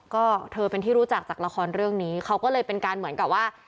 ก็เธอเป็นที่รู้จักจากละครเรื่องนี้เขาก็เลยเป็นการเหมือนกับว่า